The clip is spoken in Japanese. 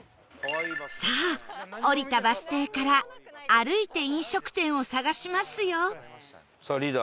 さあ降りたバス停から歩いて飲食店を探しますよ